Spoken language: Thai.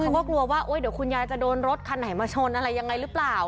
เขาก็กลัวว่าเดี๋ยวคุณยายจะโดนรถคันไหนมาชนอะไรยังไงหรือเปล่า